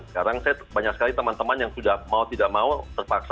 sekarang saya banyak sekali teman teman yang sudah mau tidak mau terpaksa